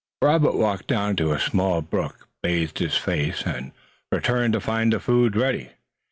Robert walked down to a small brook, bathed his face, and returned to find the food ready.